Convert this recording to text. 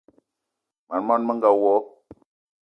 Mań món menga wo!